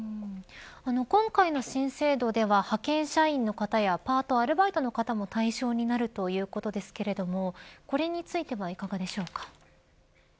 今回の新制度では派遣社員の方やパートアルバイトの方も対象になるということですがこれについてはいかがでしょうか。